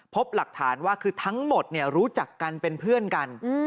พบหลักฐานว่าคือทั้งหมดรู้จักกันเป็นเพื่อนกัน